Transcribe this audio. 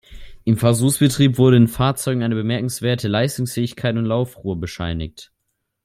Im Versuchsbetrieb wurde den Fahrzeugen eine bemerkenswerte Leistungsfähigkeit und Laufruhe bescheinigt.